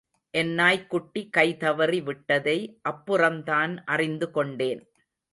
என் நாய்க்குட்டி கை தவறி விட்டதை அப்புறம்தான் அறிந்துகொண்டேன்.